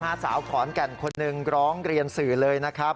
สาวขอนแก่นคนหนึ่งร้องเรียนสื่อเลยนะครับ